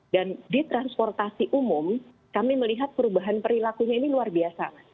dan di transportasi umum kami melihat perubahan perilakunya ini luar biasa